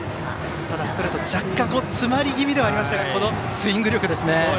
ただ、ストレート若干詰まり気味でしたがこのスイング力ですね。